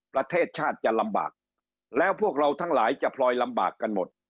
ประเทศชาติจะลำบากแล้วพวกเราทั้งหลายจะพลอยลำบากกันหมด